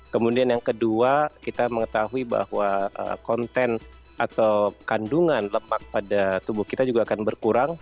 kemudian yang kedua kita mengetahui bahwa konten atau kandungan lemak pada tubuh kita juga akan berkurang